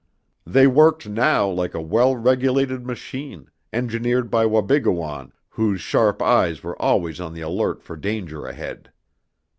They worked now like a well regulated machine, engineered by Wabigoon, whose sharp eyes were always on the alert for danger ahead.